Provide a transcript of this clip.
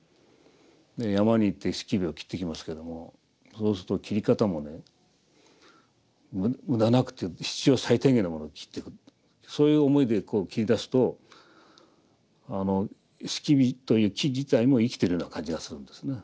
山に行って樒を切ってきますけどもそうすると切り方もね無駄なく必要最低限のものを切ってくるそういう思いで切りだすと樒という木自体も生きてるような感じがするんですね。